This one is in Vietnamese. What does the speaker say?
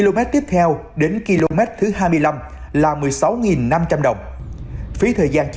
trong quá trình di chuyển phóng viên thể hiện là người vừa đến thành phố hồ chí minh lần đầu